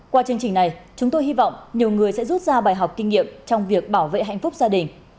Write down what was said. qua chương trình này chúng tôi hy vọng nhiều người sẽ rút ra bài học kinh nghiệm trong việc bảo vệ hạnh phúc gia đình